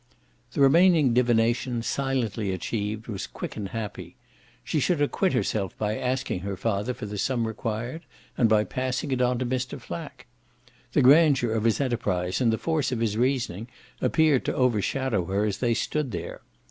The remaining divination, silently achieved, was quick and happy: she should acquit herself by asking her father for the sum required and by just passing it on to Mr. Flack. The grandeur of his enterprise and the force of his reasoning appeared to overshadow her as they stood there.